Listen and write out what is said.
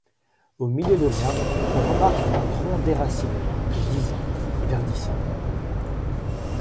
Au milieu de l’herbe on remarque un tronc déraciné, gisant, verdissant.